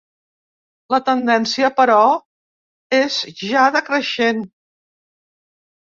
La tendència, però, és ja decreixent.